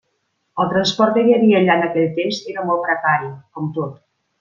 El transport que hi havia allà en aquell temps era molt precari, com tot.